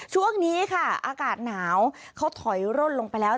ช่วงนี้ค่ะอากาศหนาวเขาถอยร่นลงไปแล้ว